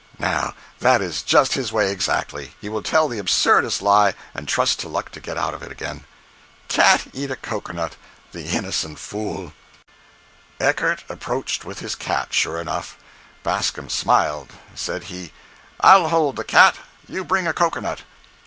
Now, that is just his way, exactly—he will tell the absurdest lie, and trust to luck to get out of it again. "Cat eat a cocoanut—the innocent fool!" 068.jpg (84K) Eckert approached with his cat, sure enough. Bascom smiled. Said he: "I'll hold the cat—you bring a cocoanut."